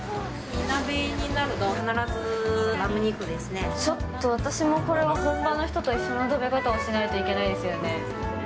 火鍋になると、必ずラム肉でちょっと私もこれは、本場の人と一緒の食べ方をしないといけないですよね。